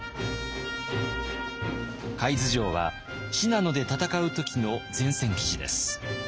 海津城は信濃で戦う時の前線基地です。